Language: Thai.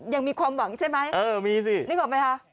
ยังมีความหวังใช่ไหมนึกออกไหมคะเออมีสิ